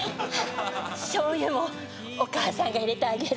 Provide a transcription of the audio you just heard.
しょうゆもお母さんが入れてあげる。